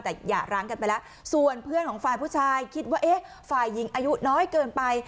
แต่หย่าร้างกันไปแล้วส่วนเพื่อนของฝ่ายผู้ชายคิดว่าเอ๊ะฝ่ายหญิงอายุน้อยเกินไป